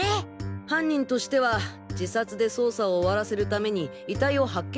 犯人としては自殺で捜査を終わらせるために遺体を発見させたかった。